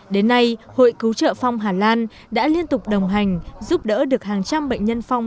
đến nay hội cứu trợ phong hà lan đã liên tục đồng hành giúp đỡ được hàng trăm bệnh nhân phong